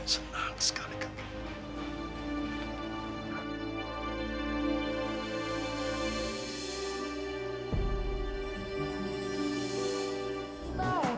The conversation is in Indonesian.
senang sekali kakek